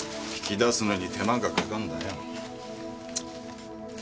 引き出すのに手間がかかるんだよ。